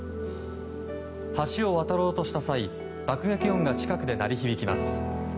橋を渡ろうとした際爆撃音が近くで鳴り響きます。